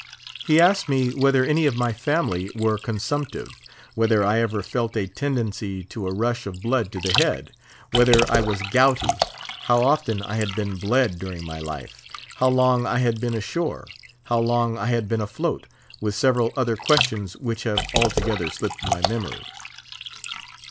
He asked me whether any of my family were consumptive; whether I ever felt a tendency to a rush of blood to the head; whether I was gouty; how often I had been bled during my life; how long I had been ashore; how long I had been afloat; with several other questions which have altogether slipped my memory.